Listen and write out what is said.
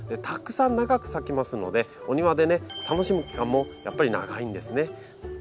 たくさん長く咲きますのでお庭でね楽しむ期間もやっぱり長いんですね。